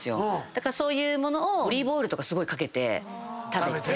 だからそういう物をオリーブオイルとかすごい掛けて食べて。